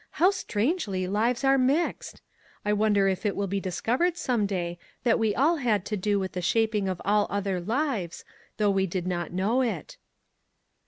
How strangely lives are mixed ! I wonder if it will be dis covered some day, that we all had to do with the shaping of all other lives, though we did not know it."